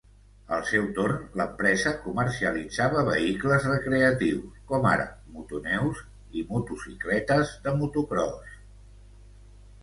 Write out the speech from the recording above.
Al seu torn, l'empresa comercialitzava vehicles recreatius com ara motoneus i motocicletes de motocròs.